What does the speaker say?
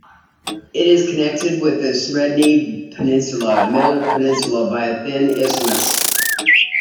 It is connected with the Sredny Peninsula, "Middle Peninsula" by a thin isthmus.